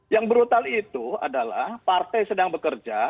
yang brutal itu adalah partai sedang bekerja